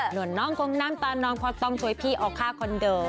หน่วงน้องคงน่ำตานอนความต้องช่วยพี่ออกฆ่าคนเดิร์